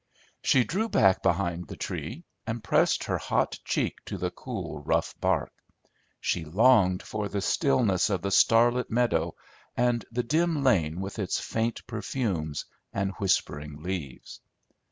She drew back behind the tree and pressed her hot cheek to the cool, rough bark. She longed for the stillness of the starlit meadow, and the dim lane with its faint perfumes and whispering leaves.